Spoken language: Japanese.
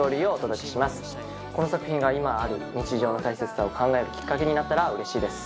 この作品が今ある日常の大切さを考えるきっかけになったらうれしいです。